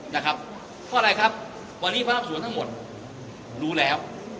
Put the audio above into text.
นะครับเพราะอะไรครับวันนี้พนักสวนทั้งหมดรู้แล้ว